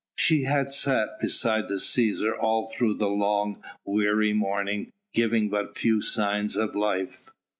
She had sat beside the Cæsar all through the long, weary morning, giving but few signs of life.